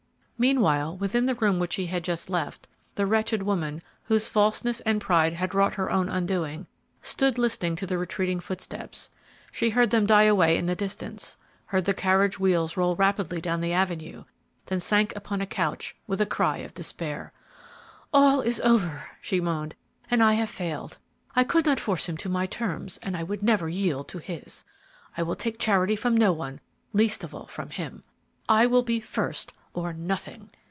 Meanwhile, within the room which he had just left, the wretched woman, whose falseness and pride had wrought her own undoing, stood listening to the retreating footsteps; she heard them die away in the distance, heard the carriage wheels roll rapidly down the avenue, then sank upon a low couch with a cry of despair. "All is over," she moaned, "and I have failed. I could not force him to my terms, and I would never yield to his. I will take charity from no one, least of all from him. I will be first, or nothing!"